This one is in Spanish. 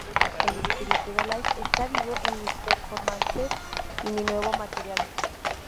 El espíritu de Live está vivo en mis performances y mi nuevo material.